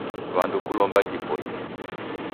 W'andu kulomba ghipoie